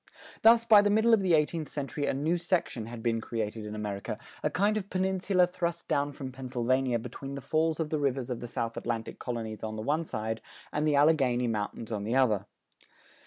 Thus by the middle of the eighteenth century a new section had been created in America, a kind of peninsula thrust down from Pennsylvania between the falls of the rivers of the South Atlantic colonies on the one side and the Alleghany mountains on the other.